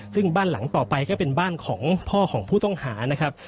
ซึ่งบ้านหลังต่อไปก็เป็นบ้านของพ่อของผู้ต้องหานะครับ